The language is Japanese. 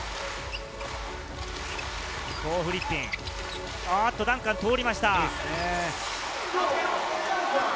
コー・フリッピン、ダンカンに通りました。